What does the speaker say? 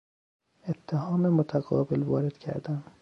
اتهام متقابل وارد کردن